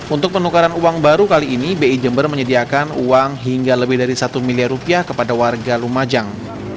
untuk penukaran uang baru kali ini bi jember menyediakan uang hingga lebih dari satu miliar rupiah kepada warga lumajang